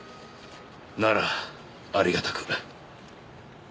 ならありがたく。